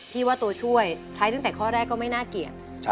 ว่าตัวช่วยใช้ตั้งแต่ข้อแรกก็ไม่น่าเกลียด